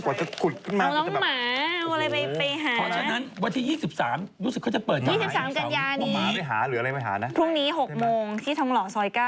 อาจไปพอทิชนิก